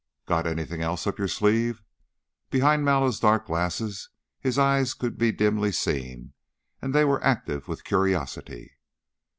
"Got anything else up your sleeve?" Behind Mallow's dark glasses his eyes could be dimly seen, and they were active with curiosity.